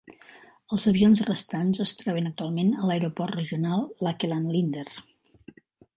Els avions restants es troben actualment a l'Aeroport Regional Lakeland Linder.